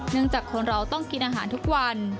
จากคนเราต้องกินอาหารทุกวัน